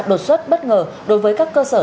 đột xuất bất ngờ đối với các cơ sở